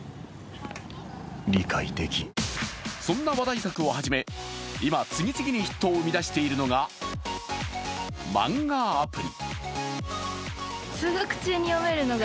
そんな話題作をはじめ、今次々にヒットを生み出しているのが漫画アプリ。